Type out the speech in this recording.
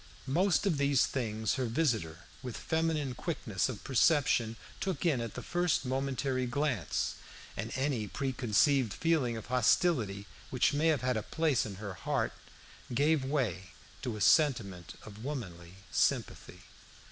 Most of these things her visitor, with feminine quickness of perception, took in at the first momentary glance, and any pre conceived feeling of hostility which may have had a place in her heart gave way to a sentiment of womanly sympathy.